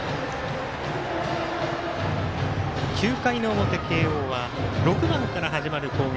９回の表、慶応は６番から始まる攻撃。